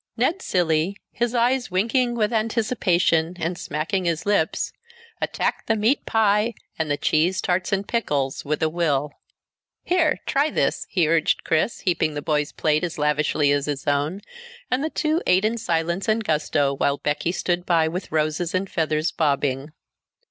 Ned Cilley, his eyes winking with anticipation and smacking his lips, attacked the meat pie and the cheese, tarts and pickles, with a will. "Here try this," he urged Chris, heaping the boy's plate as lavishly as his own, and the two ate in silence and gusto while Becky stood by with roses and feathers bobbing.